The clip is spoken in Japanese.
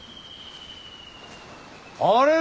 あれ？